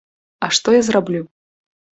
А што я зраблю?